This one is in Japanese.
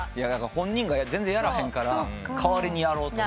本人が全然やらへんから代わりにやろうと思って。